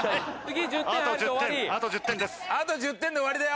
あと１０点で終わりだよ！